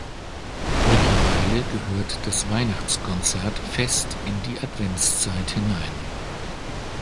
Mittlerweile gehört das Weihnachtskonzert fest in die Adventszeit hinein.